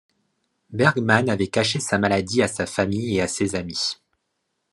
Bergman avait caché sa maladie à sa famille et à ses amis.